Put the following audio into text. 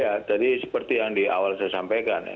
ya tadi seperti yang di awal saya sampaikan